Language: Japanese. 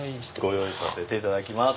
ご用意させていただきます。